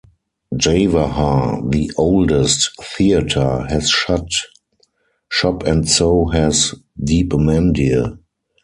Jawahar, the oldest theatre has shut shop and so has Deepmandir.